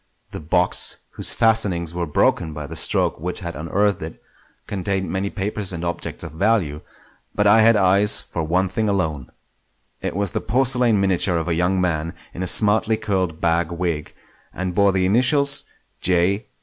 The box, whose fastenings were broken by the stroke which had unearthed it, contained many papers and objects of value; but I had eyes for one thing alone. It was the porcelain miniature of a young man in a smartly curled bag wig, and bore the initials "J.